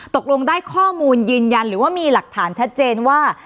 ตกลงได้ข้อมูลยืนยันหรือว่ามีหลักฐานชัดเจนว่า